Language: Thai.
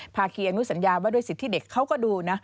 ภาคีอนุสัญญาว่าด้วยสิทธิเด็กเขาก็ดูนะ